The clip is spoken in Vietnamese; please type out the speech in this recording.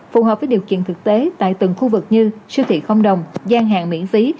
phù hợp với điều kiện thực tế tại từng khu vực như siêu thị không đồng gian hàng miễn phí